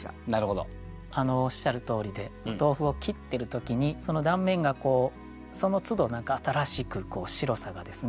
おっしゃるとおりでお豆腐を切ってる時にその断面がそのつど何か新しく白さがですね